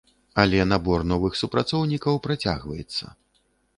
Але набор новых супрацоўнікаў працягваецца.